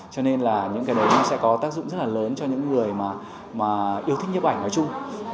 cho nên những cái đấy sẽ có tác dụng rất là lớn cho những người yêu thích nhếp ảnh nói chung